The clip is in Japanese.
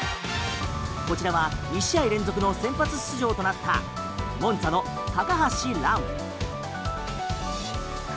こちらは２試合連続の先発出場となったモンツァの高橋藍。